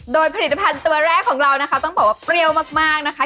โดยผลิตภัณฑ์ตัวแรกของเรานะคะต้องบอกว่าเปรี้ยวมากนะคะ